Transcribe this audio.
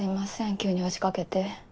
急に押しかけて。